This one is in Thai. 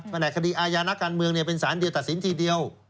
แหนกคดีอาญานักการเมืองเป็นสารเดียวตัดสินทีเดียว